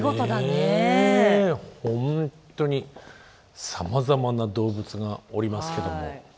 本当にさまざまな動物がおりますけども。